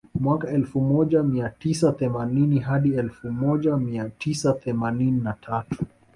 Mwaka elfu moja mia tisa themanini hadi elfu moja mia tisa themanini na tatu